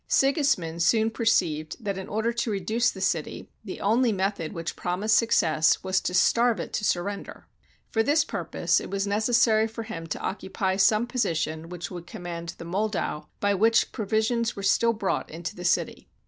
Sigismund soon perceived that in order to reduce the city, the only method which promised success was to starve it to surrender. For this purpose it was necessary for him to occupy some position which would command the Moldau, by which provisions were still brought into the city.